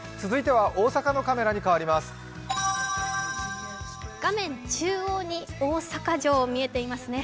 続いては大阪のカメラに替わります。